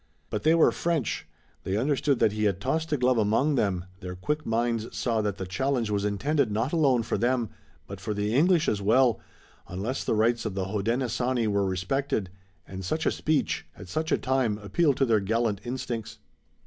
But they were French. They understood that he had tossed a glove among them, their quick minds saw that the challenge was intended not alone for them, but for the English as well, unless the rights of the Hodenosaunee were respected, and such a speech at such a time appealed to their gallant instincts.